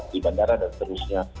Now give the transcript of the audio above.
di bandara dan seterusnya